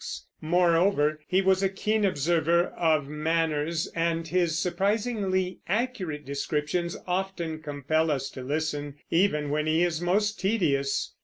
Moreover, he was a keen observer of manners, and his surprisingly accurate descriptions often compel us to listen, even when he is most tedious.